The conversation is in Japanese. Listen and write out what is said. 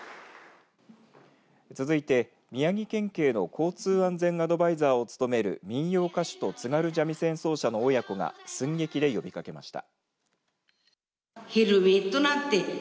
続いて、宮城県警の交通安全アドバイザーを務める民謡歌手と津軽三味線奏者の親子が寸劇で呼びかけました。